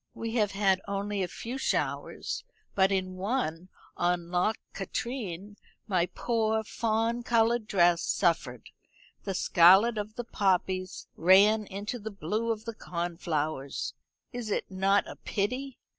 We have had only a few showers, but in one, on Loch Katrine, my poor fawn coloured dress suffered. The scarlet of the poppies ran into the blue of the cornflowers. Is it not a pity?